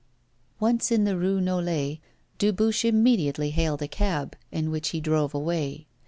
Once in the Rue Nollet, Dubuche immediately hailed a cab, in which he drove away.